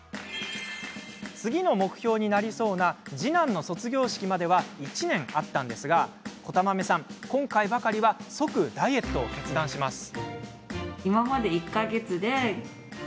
次の目標になりそうな次男の卒業式まで１年あったんですがこたまめさん、今回ばかりは即ダイエットを決断します。